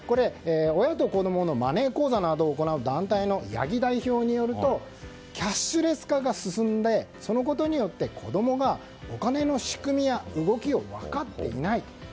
親と子供のマネー講座などを行う団体の八木代表によるとキャッシュレス化が進んでそのことによって子供がお金の仕組みや動きを分かっていないと。